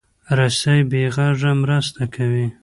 رسۍ بې غږه مرسته کوي.